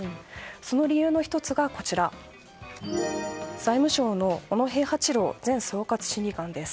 その理由の１つが財務省の小野平八前総括審議官。